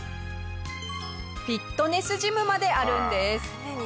フィットネスジムまであるんです。